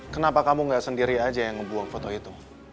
kenapa kamu nggak sendiri aja yang ngebuang foto itu